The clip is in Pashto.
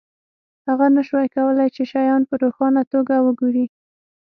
هغه نشوای کولی چې شیان په روښانه توګه وګوري